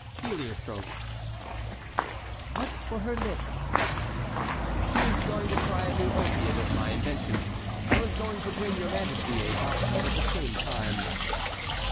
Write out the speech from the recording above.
"Heliotrope." "What for her lips?" "She is going to try a new opiate of my invention. I was going to bring your majesty a box of it at the same time."